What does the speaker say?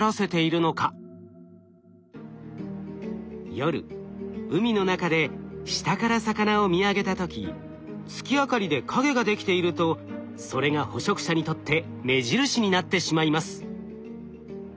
夜海の中で下から魚を見上げた時月明かりで影ができているとそれが捕食者にとって目印になってしまいます。